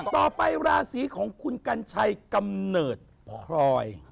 ต่อไปราศีของคุณกัญชัยกำเนิดพลอย